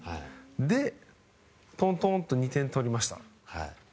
で、トントンと２点取りました。